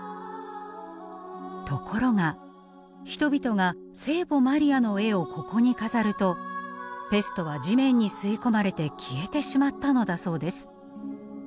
ところが人々が聖母マリアの絵をここに飾るとペストは地面に吸い込まれて消えてしまったのだそうです。